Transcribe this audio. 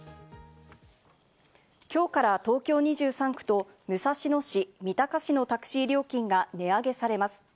今日から東京２３区と武蔵野市、三鷹市のタクシー料金が値上げされます。